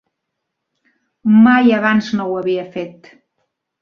Mai abans no ho havia fet.